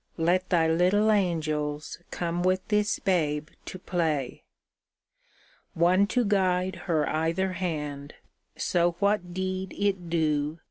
Let Thy little angels come with this babe to play. One to guide her either hand, so what deed it do.